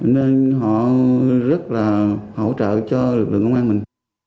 nên họ rất là hỗ trợ cho lực lượng công an mình